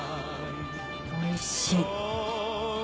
おいしい。